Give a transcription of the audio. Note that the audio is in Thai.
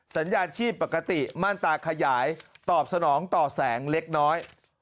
สัญญาณชีพปกติมั่นตาขยายตอบสนองต่อแสงเล็กน้อย